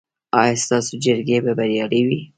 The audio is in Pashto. ایا ستاسو جرګې به بریالۍ وي؟